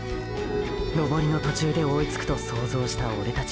登りの途中で追いつくと想像したオレたち。